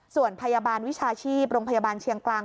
ส่วนพยาบาลวิชาชีพโรงพยาบาลเชียงกลาง